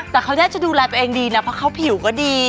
แต่เขาน่าจะดูแลตัวเองดีนะเพราะเขาผิวก็ดี